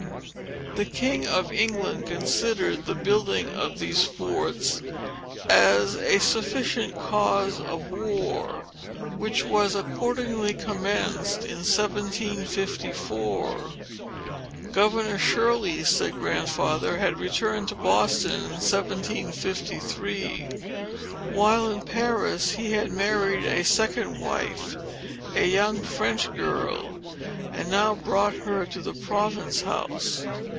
The king of England considered the building of these forts as a sufficient cause of war, which was accordingly commenced in 1754. "Governor Shirley," said Grandfather, "had returned to Boston in 1753. While in Paris, he had married a second wife, a young French girl, and now brought her to the Province House.